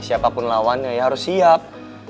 siapapun lawannya ya harus siap